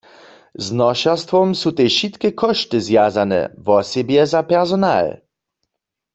Z nošerstwom su tež wšitke kóšty zwjazane, wosebje za personal.